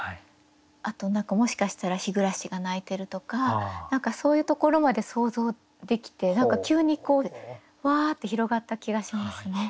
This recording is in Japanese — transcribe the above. あと何かもしかしたらひぐらしが鳴いてるとか何かそういうところまで想像できて何か急にわって広がった気がしますね。